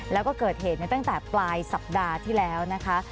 แล้วก็เกิดเหตุในตั้งแต่ปลายสัปดาห์ที่แล้วนะคะ